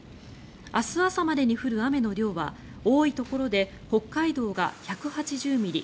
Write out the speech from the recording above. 明日朝までに降る雨の量は多いところで北海道が１８０ミリ